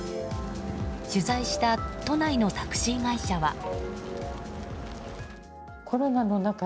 取材した都内のタクシー会社は。